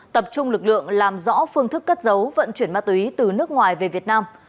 tập trung lực lượng làm rõ phương thức cất giấu vận chuyển ma túy từ nước ngoài về việt nam